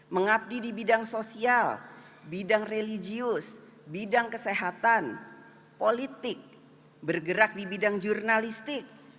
mengabdi di bidang sosial bidang religius bidang kesehatan politik bergerak di bidang jurnalistik